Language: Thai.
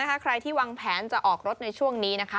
ใครที่วางแผนจะออกรถในช่วงนี้นะคะ